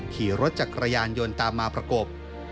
ขี่รถจักรยานยนต์ตามมาประกบ